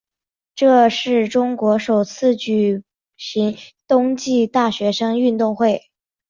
这是中国首次举行冬季大学生运动会。